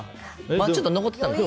ちょっと残ってたんですよ。